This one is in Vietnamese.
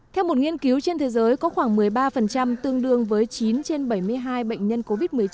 theo một nghiên cứu trên thế giới có khoảng một mươi ba tương đương với chín trên bảy mươi hai bệnh nhân covid một mươi chín